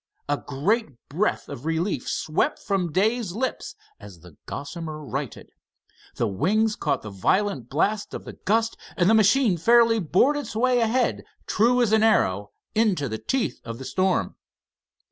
A great breath of relief swept from Dave's lips as the Gossamer righted. The wings caught the violent blast of the gust, and the machine fairly bored its way ahead, true as an arrow, into the teeth of the storm.